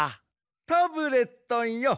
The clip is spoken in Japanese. タブレットンよ。